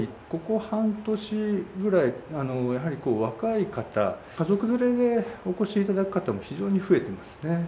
ここ半年ぐらい、やはり若い方、家族連れでお越しいただく方も非常に増えてますね。